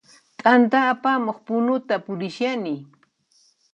T'anta apamuq punuta purishani